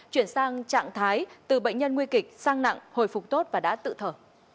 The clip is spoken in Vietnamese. chuyển sang trạng thái từ bệnh nhân nguy kịch sang nặng hồi phục tốt và đã tự thở